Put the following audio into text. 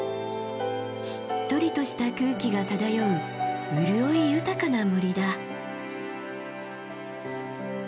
しっとりとした空気が漂う潤い豊かな森だ。